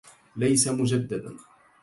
ليس مجددا